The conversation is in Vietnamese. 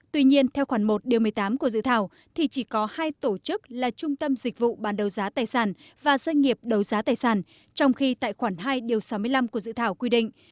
tuy nhiên theo khoản một một mươi tám của dự thảo thì chỉ có hai tổ chức là trung tâm dịch vụ bán đấu giá tài sản và doanh nghiệp đấu giá tài sản trong khi tại khoản hai điều sáu mươi năm của dự thảo quy định